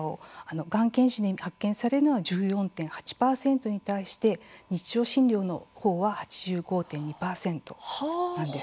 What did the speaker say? がん検診で発見されるのが１４．８％に対して日常診療のほうは８５．２％なんです。